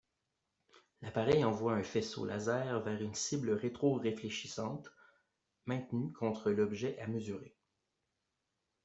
L’appareil envoie un faisceau laser vers une cible rétroréfléchissante maintenue contre l’objet à mesurer.